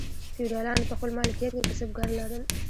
فیوډالانو په خپل مالکیت کې کسبګر لرل.